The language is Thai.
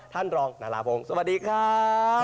ท่านรองนาราพงศ์สวัสดีครับ